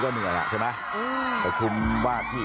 ไม่มีอะไรเป็นไปไม่ได้